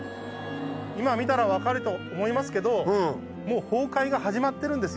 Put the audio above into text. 今見たら分かると思いますけど崩壊が始まってるんですよね。